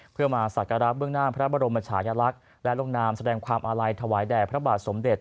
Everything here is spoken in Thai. เพื่อมาสักการะเบื้องหน้าพระบรมชายลักษณ์และลงนามแสดงความอาลัยถวายแด่พระบาทสมเด็จ